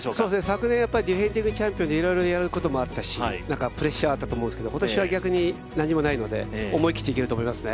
昨年やっぱりディフェンディングチャンピオンでいろいろやることもあったしプレッシャーがあったと思うんですけど、今年は逆に何もないので思い切っていけると思いますね。